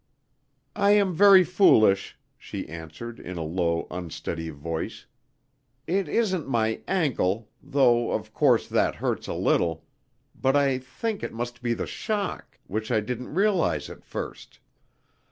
"I am very foolish," she answered, in a low, unsteady voice. "It isn't my ankle though, of course, that hurts a little but I think It must be the shock, which I didn't realise at first.